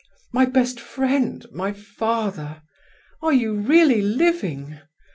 My best friend! My father! Are you really living?